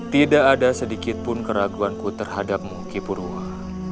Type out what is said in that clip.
tidak ada sedikitpun keraguanku terhadapmu kipurwa